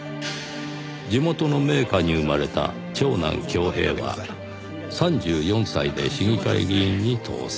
地元の名家に生まれた長男郷平は３４歳で市議会議員に当選。